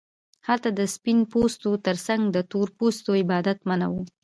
هلته د سپین پوستو ترڅنګ د تور پوستو عبادت منع و.